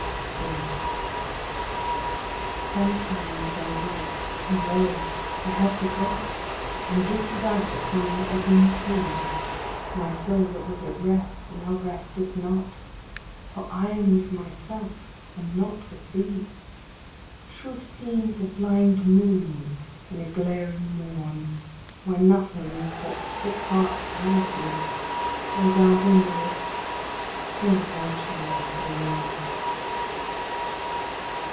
3. Sometimes I wake, and, lo! I have forgot, And drifted out upon an ebbing sea! My soul that was at rest now resteth not, For I am with myself and not with thee; Truth seems a blind moon in a glaring morn, Where nothing is but sick heart vanity: Oh, thou who knowest! save thy child forlorn.